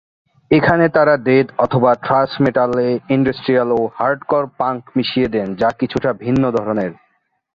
এখানে তারা death/ thrash মেটাল-এ ইন্ডাস্ট্রিয়াল ও হার্ডকোর পাঙ্ক মিশিয়ে দেন যা কিছুটা ভিন্ন ধরনের।